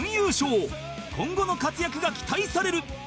今後の活躍が期待される！